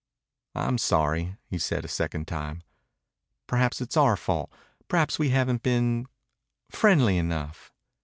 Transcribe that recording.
"I'm sorry," he said a second time. "Perhaps it's our fault. Perhaps we haven't been ... friendly enough."